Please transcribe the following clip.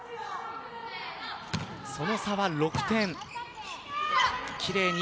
その差は６点。